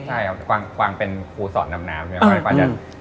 ใช่ครับความเป็นครูสอนดำน้ำ